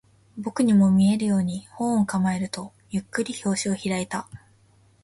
僕にも見えるように、本を構えると、ゆっくり表紙を開いた